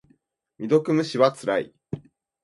未読無視はつらい。